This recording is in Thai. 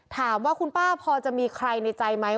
ถามว่าคุณป้าพอจะมีใครในใจไหม